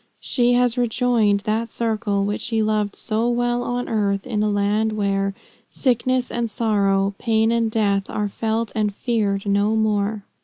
She has rejoined that circle, which she loved so well on earth, in a land where "Sickness and sorrow, pain and death Are felt and feared no more."